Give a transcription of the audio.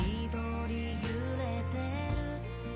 「緑ゆれてる」